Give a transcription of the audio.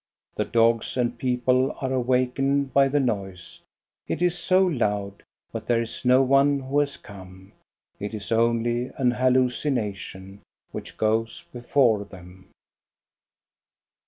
The dogs and people are awakened by the noise, it is so loud; but there is no one who has come, it is only an hallucination which goes before them.